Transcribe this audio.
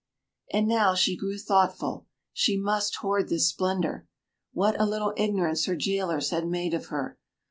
And now she grew thoughtful. She must hoard this splendor. What a little ignorance her jailers had made of her!